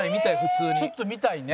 ちょっと見たいね。